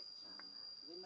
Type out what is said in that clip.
đã được nâng cao